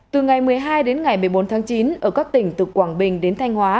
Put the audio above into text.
từ ngày một mươi hai đến ngày một mươi bốn tháng chín ở các tỉnh từ quảng bình đến thanh hóa